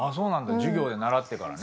授業で習ってからね。